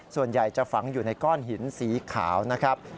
ส่วนใหญ่จะฝังอยู่ในก้อนหินสีขาวนะครับ